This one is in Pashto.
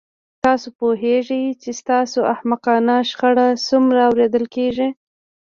تاسو پوهیږئ چې ستاسو احمقانه شخړه څومره اوریدل کیږي